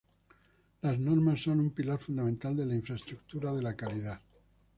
Las normas son un pilar fundamental de la Infraestructura de la calidad.